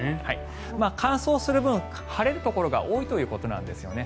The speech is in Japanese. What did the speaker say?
乾燥する分晴れるところが多いということなんですよね。